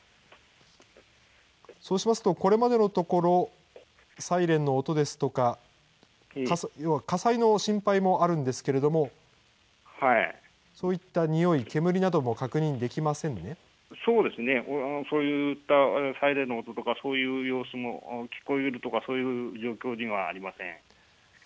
そうしますと、これまでのところ、サイレンの音ですとか、火災の心配もあるんですけれども、そういった臭い、煙なども確認できそうですね、そういったサイレンの音とか、そういう様子も聞こえるとか、そういう状況にはありません。